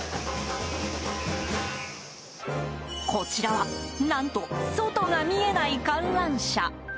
こちらは何と外が見えない観覧車。